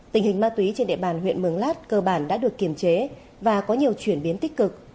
tình hình ma túy trên địa bàn huyện mường lát cơ bản đã được kiềm chế và có nhiều chuyển biến tích cực